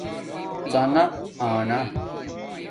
ڎانا انا